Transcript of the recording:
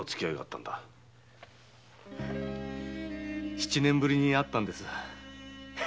七年ぶりに会ったんです。